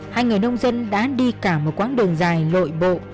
hai người nông dân đã đi cả một quãng đường dài lội bộ